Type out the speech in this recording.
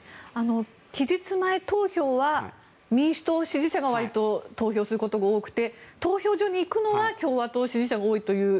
期日前投票は民主党支持者がわりと投票することが多くて投票所に行くのは共和党支持者が多いと。